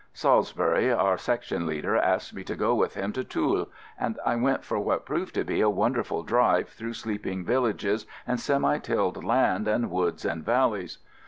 Salisbury, our Section leader, asked me to go with him to Toul, and I went for what proved to be a wonderful drive through sleeping villages and semi tilled land and woods and valleys.